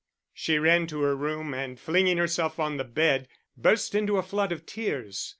She ran to her room, and flinging herself on the bed, burst into a flood of tears.